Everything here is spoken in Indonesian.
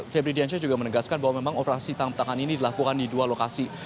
febri diansyah juga menegaskan bahwa memang operasi tangkap tangan ini dilakukan di dua lokasi